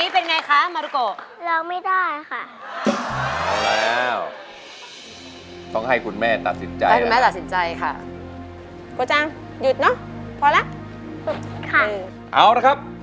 พอแล้วค่ะอืมเอานะครับ